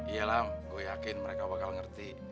iya lah gue yakin mereka bakal ngerti